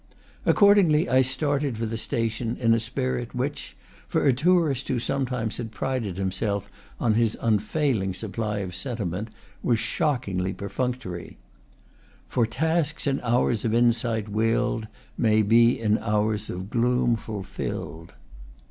Accordingly, I started for the station in a spirit which, for a tourist who sometimes had prided himself on his unfailing supply of sentiment, was shockingly perfunctory. "For tasks in hours of insight willed May be in hours of gloom fulfilled."